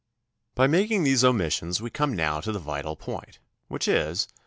By making these omissions we come now to the vital point, which is.